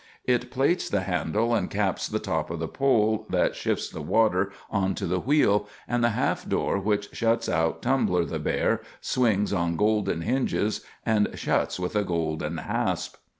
It plates the handle and caps the top of the pole that shifts the water on to the wheel, and the half door which shuts out Tumbler the bear swings on golden hinges and shuts with a golden hasp.